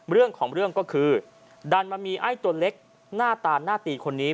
เรื่องของเรื่องก็คือดันมามีไอ้ตัวเล็กหน้าตาหน้าตีคนนี้